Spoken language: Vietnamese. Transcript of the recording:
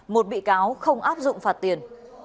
một bị cáo không áp dụng phạt tiền